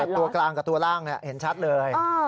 ตัวกลางกับตัวล่างเห็นชัดเลย